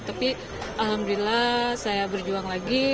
tapi alhamdulillah saya berjuang lagi